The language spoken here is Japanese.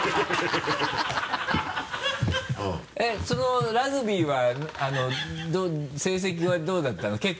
そのラグビーは成績はどうだったの？